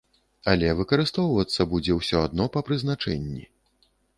Але выкарыстоўвацца будзе ўсё адно па прызначэнні.